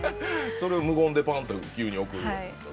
それを無言でパンと急に送るじゃないですか。